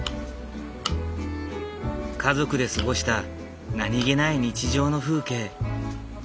家族で過ごした何気ない日常の風景。